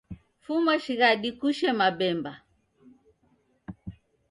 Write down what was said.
Fuma shighadi kushee mabemba.